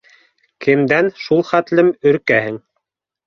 Кемдән шул хәтлем өркәһең.